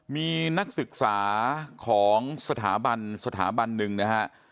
มีนักศึกษาของสถาบันสถาบันหนึ่งนะฮะ